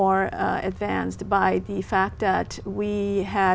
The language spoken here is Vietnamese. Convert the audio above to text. nếu các bạn có một vài câu hỏi